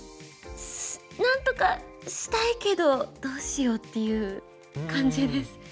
なんとかしたいけどどうしようっていう感じです。